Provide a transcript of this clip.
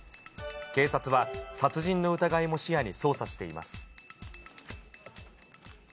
警察は殺人の疑いも視野に捜査しています。